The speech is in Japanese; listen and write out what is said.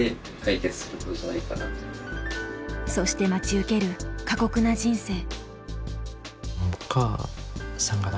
そして待ち受ける過酷な人生。